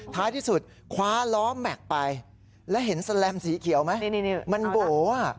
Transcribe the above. ท้ายที่สุดคว้าล้อแม็กซ์ไปแล้วเห็นแสลมสีเขียวไหมมันโบ๋อ่ะ